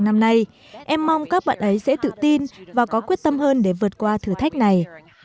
năm nay em mong các bạn ấy sẽ tự tin và có quyết tâm hơn để vượt qua thử thách này